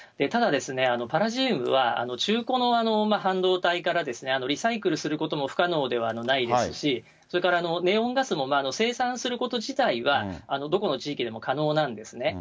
ただ、パラジウムは、中古の半導体からリサイクルすることも不可能ではないですし、それからネオンガスも、生産すること自体はどこの地域でも可能なんですね。